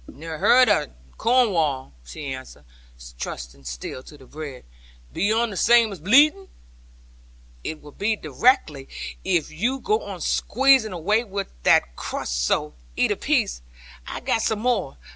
'Never heerd on it, in Cornwall,' she answered, trusting still to the bread; 'be un the same as bleeding?' 'It will be directly, if you go on squeezing away with that crust so. Eat a piece: I have got some more.